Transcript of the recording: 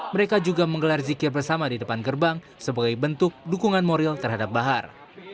mereka juga menggelar zikir bersama di depan gerbang sebagai bentuk dukungan moral terhadap bahar